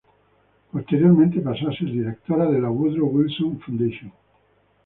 Posteriormente pasó a ser Directora de la Woodrow Wilson Foundation.